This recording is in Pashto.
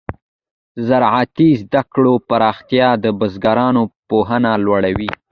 د زراعتي زده کړو پراختیا د بزګرانو پوهه لوړه وي.